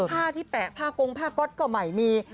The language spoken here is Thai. ผ้าที่แปะผ้ากงผ้าก๊อตก็ไม่มี